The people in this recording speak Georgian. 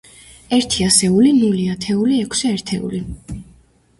ერთი ასეული, ნული ათეული, ექვსი ერთეული.